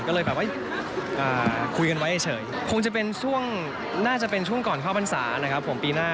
ก็เลยแบบว่าคุยกันไว้เฉยคงจะเป็นช่วงน่าจะเป็นช่วงก่อนเข้าพรรษานะครับผมปีหน้า